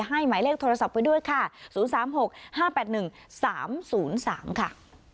ให้หมายเลขโทรศัพท์ไว้ด้วยค่ะศูนย์สามหกห้าแปดหนึ่งสามศูนย์สามค่ะ